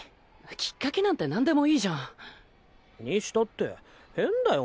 きっかけなんて何でもいいじゃん。にしたって変だよ